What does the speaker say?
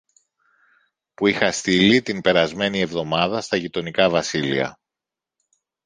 που είχα στείλει την περασμένη εβδομάδα στα γειτονικά βασίλεια